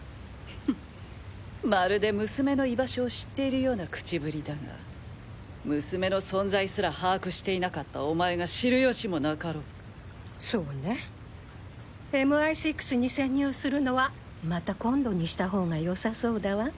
フンまるで娘の居場所を知っているような口ぶりだが娘の存在すら把握していなかったお前が知る由もなかろうそうねＭＩ６に潜入するのはまた今度にした方がよさそうだわ。